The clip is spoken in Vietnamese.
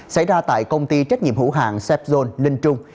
xảy ra tại công ty trách nhiệm hữu hàng sepzone linh trung